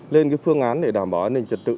lên cái phương án để đảm bảo an ninh trật tự